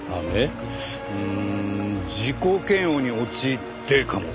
うーん自己嫌悪に陥ってかも。